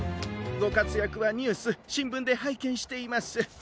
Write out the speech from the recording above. ごかつやくはニュースしんぶんではいけんしています。